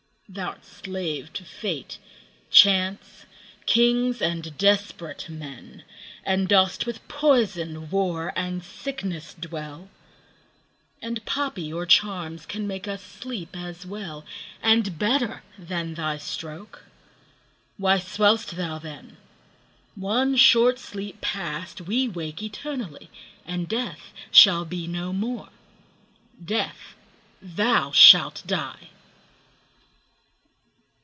Thou'rt slave to fate, chance, kings, and desperate men, And dost with poison, war, and sickness dwell; 10 And poppy or charms can make us sleep as well And better than thy stroke. Why swell'st thou then? One short sleep past, we wake eternally, And Death shall be no more: Death, thou shalt die!